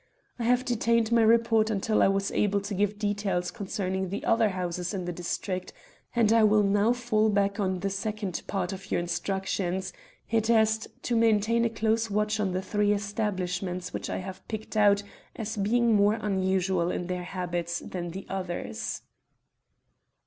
I have detained my report until I was able to give details concerning the other houses in the district, and I will now fall back on the second part of your instructions, i.e., to maintain a close watch on the three establishments which I have picked out as being more unusual in their habits than the others."